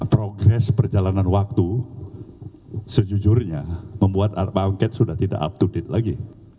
progres perjalanan waktu sejujurnya membuat bangket sudah tidak up to date lagi